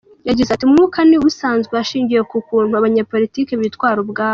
Yagize ati “Umwuka ni usanzwe hashingiwe ku kuntu abanyapolitiki bitwara ubwabo.